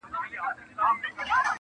که نقاب پر مخ نیازبینه په مخ راسې,